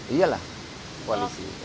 iya lah koalisi